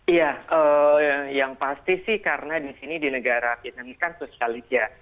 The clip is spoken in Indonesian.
iya yang pasti sih karena di sini di negara vietnam ini kan sosialis ya